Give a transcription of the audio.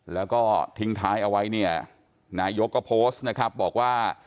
แล้วก็ทิ้งท้ายเอาไว้นายกภพบอกว่า